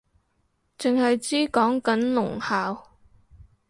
剩係知講緊聾校